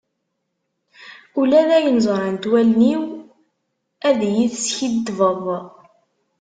Ula d ayen ẓrant wallen-iw ad iyi-teskiddbeḍ.